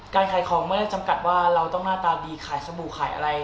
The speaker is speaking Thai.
ขายของไม่ได้จำกัดว่าเราต้องหน้าตาดีขายสบู่ขายอะไร